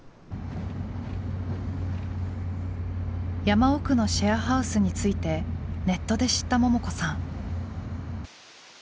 山奥のシェアハウスについてネットで知ったももこさん。